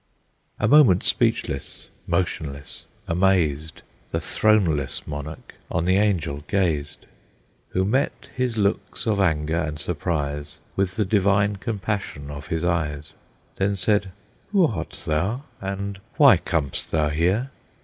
A moment speechless, motionless, amazed, The throneless monarch on the Angel gazed, Who met his looks of anger and surprise With the divine compassion of his eyes; Then said, "Who art thou? and why com'st thou here?"